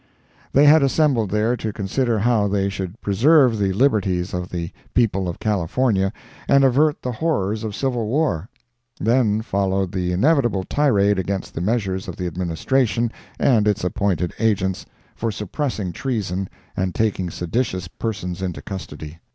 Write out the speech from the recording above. They had assembled there to consider how they should preserve the liberties of the people of California, and avert the horrors of civil war. Then followed the inevitable tirade against the measures of the Administration and its appointed agents, for suppressing treason and taking seditious persons into custody.